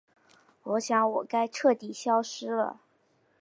我想我该彻底消失了。